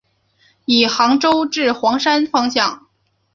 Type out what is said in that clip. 以杭州至黄山方向。